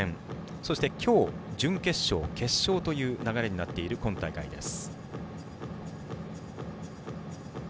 そして今日、準決勝と決勝という流れになっている今大会です。